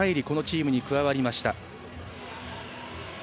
このチームに加わりました。